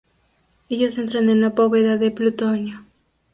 Ellos entran en la bóveda de plutonio.